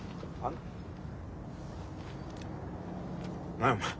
何やお前？